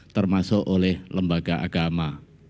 termasuk oleh lembaga agama